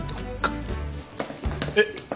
えっ？